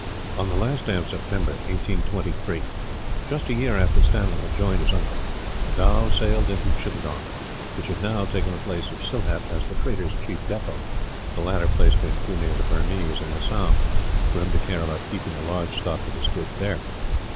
On the last day of September, 1823 just a year after Stanley had joined his uncle the dhow sailed into Chittagong; which had now taken the place of Sylhet as the traders' chief depot, the latter place being too near the Burmese, in Assam, for him to care about keeping a large stock of his goods there.